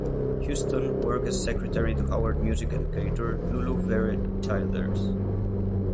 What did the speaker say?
Houston worked as secretary to Howard music educator Lulu Vere Childers.